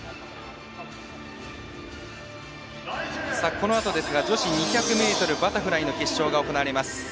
このあと、女子２００ｍバタフライの決勝が行われます。